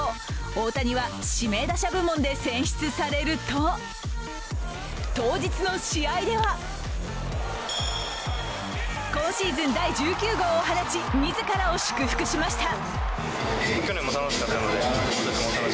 大谷は指名打者部門で選出されると当日の試合では今シーズン第１９号を放ち自らを祝福しました。